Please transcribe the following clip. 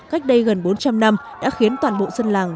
cách đây gần bốn trăm linh năm đã khiến toàn bộ dân làng